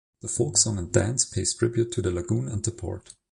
The folk song and dance pays tribute to the lagoon and the port.